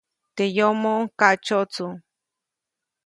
Teʼ yomoʼuŋ kaʼtsyotsu.